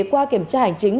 qua kiểm tra hành chính